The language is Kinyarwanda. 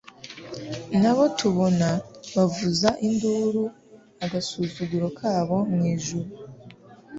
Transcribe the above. n'abo tubona bavuza induru agasuzuguro kabo mwijuru